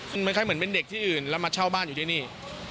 มันคล้ายเหมือนเป็นเด็กที่อื่นแล้วมาเช่าบ้านอยู่ที่นี่